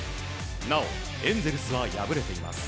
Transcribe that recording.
なおエンゼルスは敗れています。